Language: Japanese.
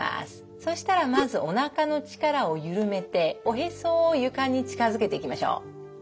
そしたらまずおなかの力を緩めておへそを床に近づけていきましょう。